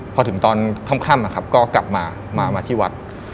พอถึงตอนค่ำก็กลับมามาที่วัด